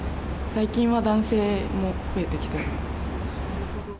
最近は男性も増えてきています。